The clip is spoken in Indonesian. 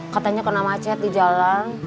katanya kena macet di jalan